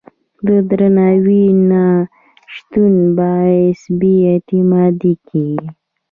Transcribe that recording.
د درناوي نه شتون باعث بې اعتمادي کېږي.